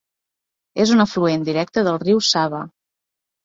És un afluent directe del riu Sava.